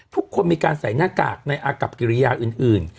ทุกคนมีการใส่หน้ากากในอากับกิริยาอื่น